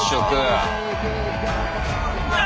うわ！